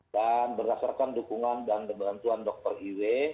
dan berdasarkan dukungan dan pembantuan dokter iw